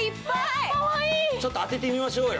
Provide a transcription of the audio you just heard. ちょっと当ててみましょうよ。